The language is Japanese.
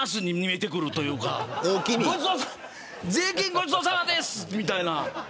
ごちそうさまですみたいな。